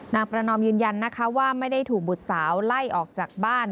ประนอมยืนยันนะคะว่าไม่ได้ถูกบุตรสาวไล่ออกจากบ้าน